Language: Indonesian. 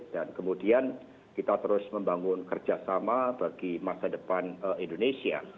dan kemudian kita terus membangun kerjasama bagi masa depan indonesia